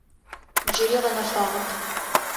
Джыри гъэнэфагъэп.